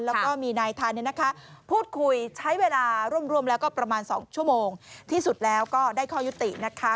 แล้วก็มีนายทันพูดคุยใช้เวลาร่วมแล้วก็ประมาณ๒ชั่วโมงที่สุดแล้วก็ได้ข้อยุตินะคะ